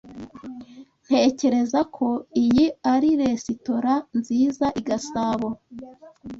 Ntekereza ko iyi ari resitora nziza i Gasabo.